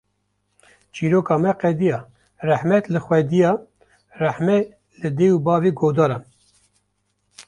Çîroka me qediya, Rehmet li xwediya, rehme li dê û bavê guhdaran